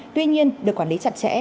tuy nhiên được quản lý chặt chẽ